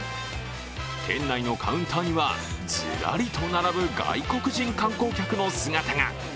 店内のカウンターにはずらりと並ぶ外国人観光客の姿が。